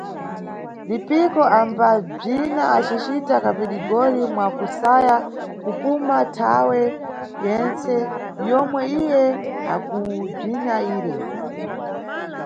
Lipiko ambabzina acicita kapidigoli mwakusaya kupuma nthawe yentse yomwe iye akubzina ire.